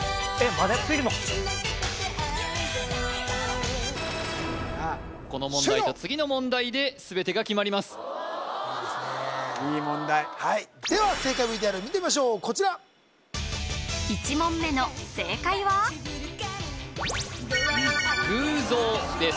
まだ続いてんのこの問題と次の問題で全てが決まりますいいですねいい問題では正解ＶＴＲ見てみましょうこちら１問目の正解は偶像です